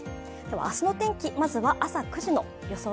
明日の天気、まずは朝９時の予想